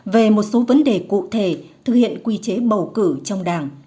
về một số vấn đề cụ thể thực hiện quy chế bầu cử trong đảng